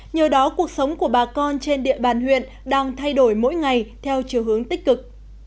nhờ đó cuộc sống của bà con trên địa bàn huyện đang thay đổi mỗi ngày theo chiều hướng tích cực